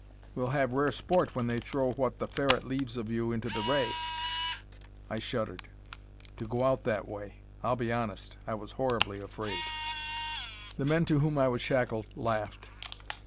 We'll have rare sport when they throw what the Ferret leaves of you into the ray." I shuddered. To go out that way! I'll be honest I was horribly afraid. The men to whom I was shackled laughed.